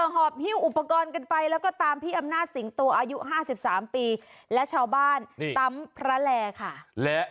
หอบฮิ้วอุปกรณ์กันไปแล้วก็ตามพี่อำนาจสิงโตอายุ๕๓ปีและชาวบ้านตำพระแลค่ะ